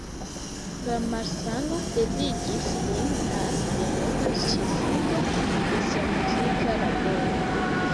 La malsano devigis lin al denova ĉesigo de sia muzika laboro.